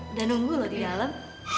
udah nunggu loh di dalam